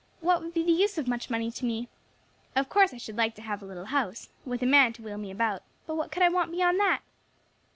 What would be the use of much money to me. Of course I should like to have a little house, with a man to wheel me about; but what could I want beyond that?"